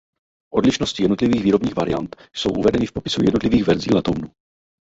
Odlišnosti jednotlivých výrobních variant jsou uvedeny v popisu jednotlivých verzí letounu.